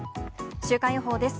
週間予報です。